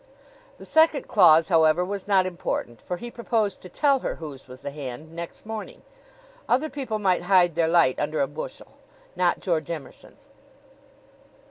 The second clause, however, was not important, for he proposed to tell her whose was the hand next morning. Other people might hide their light under a bushel not George Emerson.